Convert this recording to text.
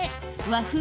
和風。